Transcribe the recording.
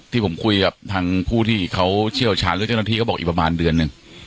ที่ผมคุยกับทางผู้ที่เขาเชี่ยวชาญหรือเจ้าหน้าที่เขาบอกอีกประมาณเดือนหนึ่ง